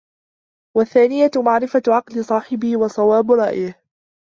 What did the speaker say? وَالثَّانِيَةُ مَعْرِفَةُ عَقْلِ صَاحِبِهِ وَصَوَابِ رَأْيِهِ